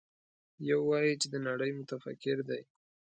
يو وايي چې د نړۍ متفکر دی.